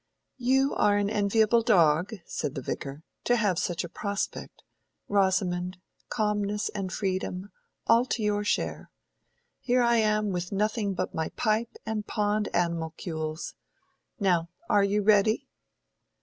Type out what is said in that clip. "You are an enviable dog," said the Vicar, "to have such a prospect—Rosamond, calmness and freedom, all to your share. Here am I with nothing but my pipe and pond animalcules. Now, are you ready?"